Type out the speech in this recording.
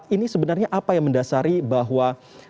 ini sebenarnya apa yang mendasari bahwa